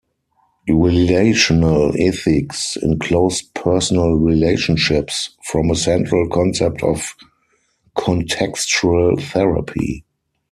Relational ethics in close personal relationships form a central concept of contextual therapy.